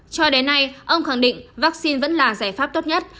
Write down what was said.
cho đến nay ông khẳng định vaccine vẫn là giải pháp tốt nhất